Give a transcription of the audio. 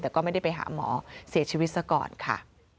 แต่ก็ไม่ได้ไปหาหมอเสียชีวิตซะก่อนค่ะ